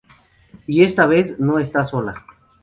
Y esta vez no está sola.